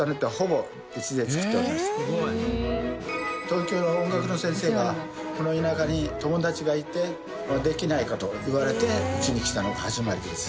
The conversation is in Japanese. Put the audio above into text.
東京の音楽の先生がこの田舎に友達がいてできないかと言われてうちに来たのが始まりです。